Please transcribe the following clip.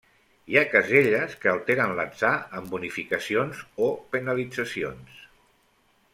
Hi ha caselles que alteren l'atzar amb bonificacions o penalitzacions.